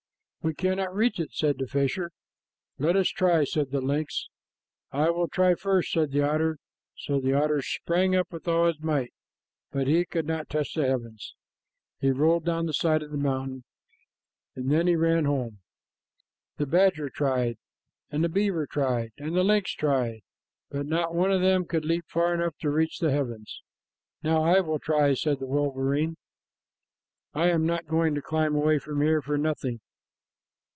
"We cannot reach it," said the fisher. "Let us try," said the lynx. "I will try first," said the otter. So the otter sprang up with all his might, but he could not touch the heavens. He rolled down the side of the mountain, and then he ran home. The badger tried, and the beaver tried, and the lynx tried, but not one of them could leap far enough to reach the heavens. "Now I will try," said the wolverine. "I am not going to climb away up here for nothing."